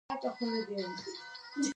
نوي پاچا خبر راووړ.